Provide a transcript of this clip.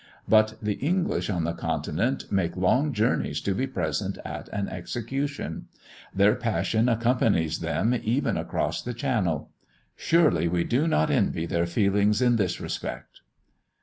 But the English on the Continent make long journeys to be present at an execution. Their passion accompanies them even across the Channel. Surely we do not envy their feelings in this respect!